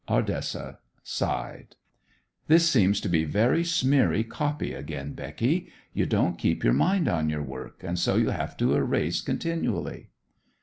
Ardessa sighed. "This seems to be very smeary copy again, Becky. You don't keep your mind on your work, and so you have to erase continually."